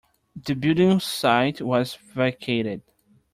The building site was vacated.